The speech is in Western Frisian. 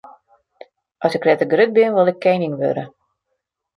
As ik letter grut bin, wol ik kening wurde.